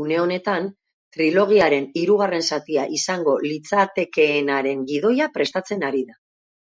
Une honetan, trilogiaren hirugarren zatia izango litzatekeenaren gidoia prestatzen ari da.